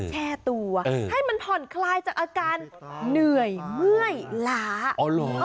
แช่ตัวให้มันผ่อนคลายจากอาการเหนื่อยเมื่อยล้าอ๋อเหรอ